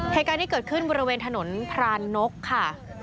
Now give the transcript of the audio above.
เหตุการณ์ที่เกิดขึ้นบริเวณถนนพรานนกค่ะ